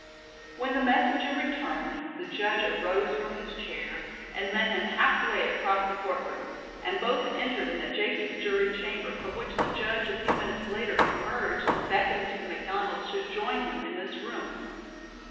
When the messenger returned the judge arose from his chair and met him half way across the court room, and both entered an adjacent jury chamber, from which the judge a few minutes later emerged and beckoned to the McDonalds to join him in this room.